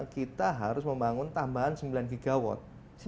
kita harus membangun tambahan sembilan gigawatt